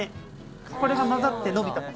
これが混ざって伸びたもの。